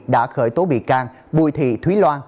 đã khởi tố bị can bùi thị thúy loan